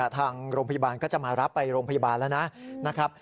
ทางโรงพยาบาลก็จะมารับไปโรงพยาบาลแล้วนะครับ